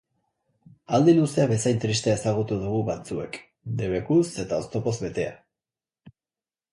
Aldi luzea bezain tristea ezagutu dugu batzuek, debekuz eta oztopoz betea.